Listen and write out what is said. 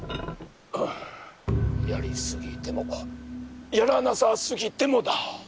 やりすぎてもやらなさすぎてもだ。